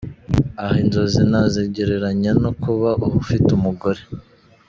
Aha inzozi nazigereranya no kuba ufite umugore.